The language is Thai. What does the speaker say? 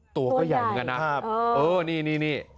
ตัวก็ใหญ่เหมือนกันนะ